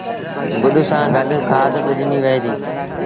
گُڏ سآݩ گڏ کآڌ با ڏنيٚ وهي ديٚ